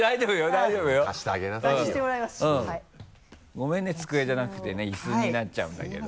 ごめんね机じゃなくて椅子になっちゃうんだけど。